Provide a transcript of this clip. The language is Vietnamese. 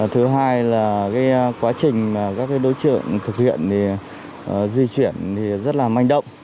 thứ hai là quá trình các đối trượng thực hiện di chuyển rất là manh động